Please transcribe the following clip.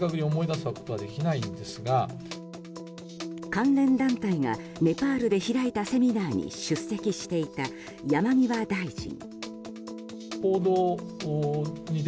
関連団体がネパールで開いたセミナーに出席していた山際大臣。